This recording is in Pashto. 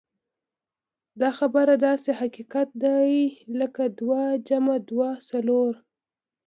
دا خبره داسې حقيقت دی لکه دوه جمع دوه څلور.